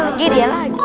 lagi dia lagi